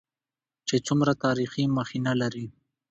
چې څومره تاريخي مخينه لري.